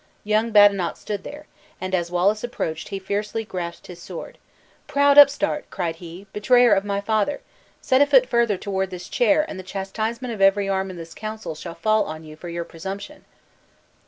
Young Badenoch stood there; and as Wallace approached he fiercely grasped his sword. "Proud upstart!" cried he, "betrayer of my father! set a foot further toward this chair, and the chastisement of every arm in this council shall fall on you for your presumption!"